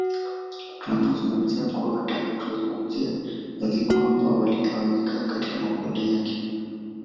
Tunapozungumzia mkoa wa Tanga tunazungumzia Wazigua ambao waligawanyika katika makundi yake